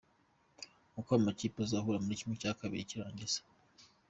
Uko amakipe azahura muri ½ cy’irangiza.